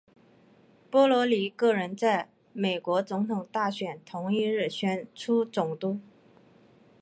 波多黎各人在美国总统大选同一日选出总督。